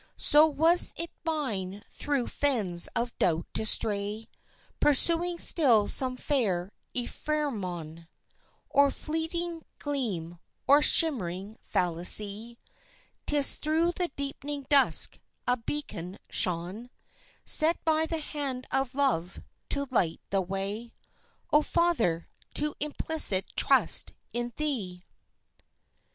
So was it mine through fens of doubt to stray Pursuing still some fair ephemeron, Or fleeting gleam, or shimmering fallacy, Till through the deepening dusk a beacon shone Set by the hand of Love to light the way O Father, to implicit trust in Thee!